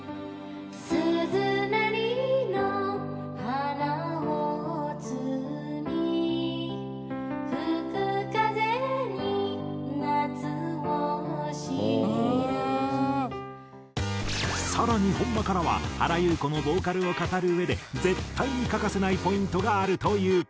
「ああー」更に本間からは原由子のボーカルを語るうえで絶対に欠かせないポイントがあるという。